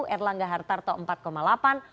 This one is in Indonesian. erlangga hartarto empat delapan